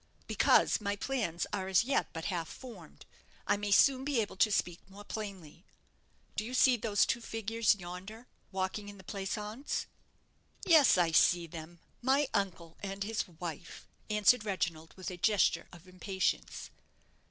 "Because my plans are as yet but half formed. I may soon be able to speak more plainly. Do you see those two figures yonder, walking in the pleasaunce?" "Yes, I see them my uncle and his wife," answered Reginald, with a gesture of impatience.